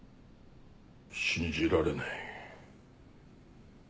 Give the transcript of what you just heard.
信じられない。